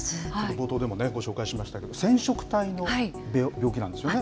冒頭でもね、ご紹介しましたけど、染色体の病気なんですよね。